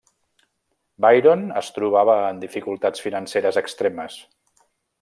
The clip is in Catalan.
Byron es trobava en dificultats financeres extremes.